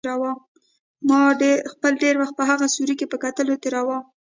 ما خپل ډېر وخت په هغه سوري کې په کتلو تېراوه.